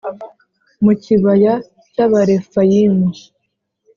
mu kibaya cy’Abarefayimu: